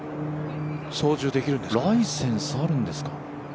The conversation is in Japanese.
ライセンス、あるんですか。